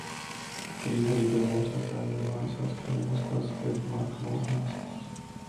Drīz arī pie mums no kaimiņu mājas atskrēja mūsu klasesbiedre Marga Mūrniece.